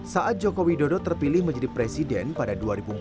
saat joko widodo terpilih menjadi presiden pada dua ribu empat belas